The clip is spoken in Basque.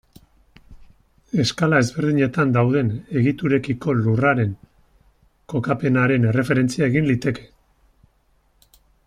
Eskala ezberdinetan dauden egiturekiko Lurraren kokapenaren erreferentzia egin liteke.